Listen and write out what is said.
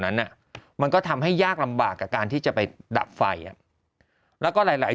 นั้นอ่ะมันก็ทำให้ยากลำบากกับการที่จะไปดับไฟอ่ะแล้วก็หลายหลาย